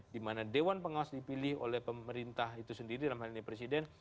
di mana dewan pengawas dipilih oleh pemerintah itu sendiri dalam hal ini presiden